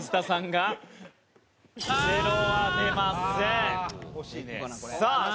さあ。